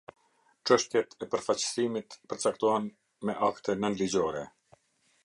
Çështjet e përfaqësimit përcaktohen më akte nënligjore.